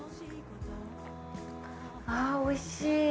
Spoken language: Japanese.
あっ、おいしい。